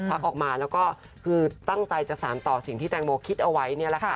ออกมาแล้วก็คือตั้งใจจะสารต่อสิ่งที่แตงโมคิดเอาไว้นี่แหละค่ะ